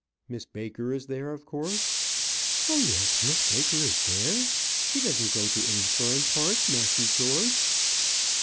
"Miss Baker is there, of course?" "Oh, yes, Miss Baker is there. She doesn't go to any furren parts, master George."